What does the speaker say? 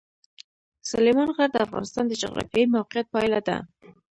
سلیمان غر د افغانستان د جغرافیایي موقیعت پایله ده.